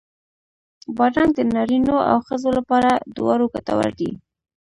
بادرنګ د نارینو او ښځو لپاره دواړو ګټور دی.